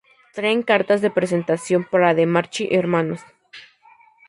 Traen cartas de presentación para Demarchi Hnos.